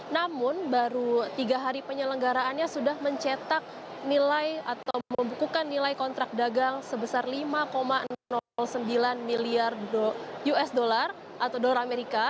namun baru tiga hari penyelenggaraannya sudah mencetak nilai atau membukukan nilai kontrak dagang sebesar lima sembilan miliar usd atau dolar amerika